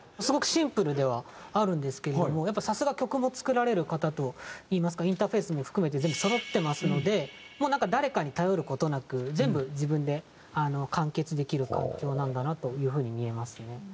すごくシンプルではあるんですけれどもやっぱりさすが曲も作られる方といいますかインターフェースも含めて全部そろってますのでもう誰かに頼る事なく全部自分で完結できる環境なんだなという風に見えますね。